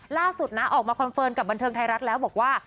ล่าสุดนะออกมาคอนเฟิร์มกับบันเทิงไทยรัฐแล้วบอกว่า